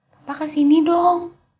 papa kesini dong